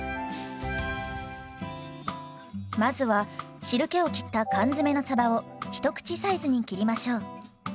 まずは汁けをきった缶詰のさばを一口サイズに切りましょう。